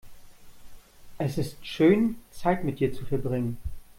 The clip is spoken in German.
Es ist schön, Zeit mit dir zu verbringen.